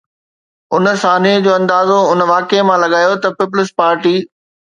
ان سانحي جو اندازو ان واقعي مان لڳايو ته پيپلز پارٽي